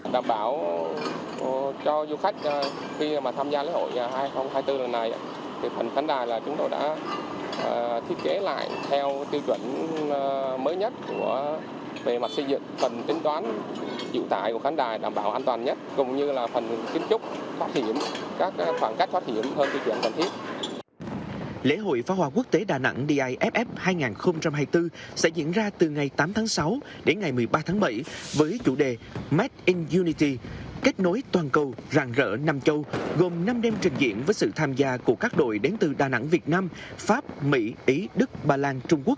đảm bảo cho du khách khi mà tham gia lễ hội hai nghìn hai mươi bốn lần này thì phần kháng đài là chúng tôi đã thiết kế lại theo tư chuẩn mới nhất về mặt xây dựng